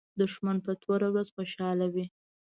دښمن په توره ورځ خوشاله وي